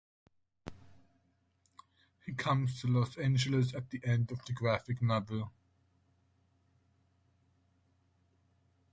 He comes to Los Angeles at the end of the graphic novel.